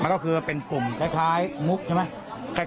มีค่ะมันก็คือเป็นปุ่มคล้ายมุกใช่ไหม